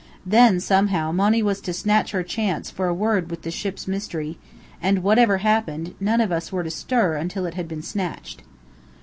Then, somehow, Monny was to snatch her chance for a word with the Ship's Mystery; and whatever happened, none of us were to stir until it had been snatched.